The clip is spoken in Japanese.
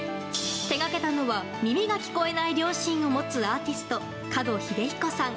手がけたのは耳が聞こえない両親を持つアーティスト、門秀彦さん。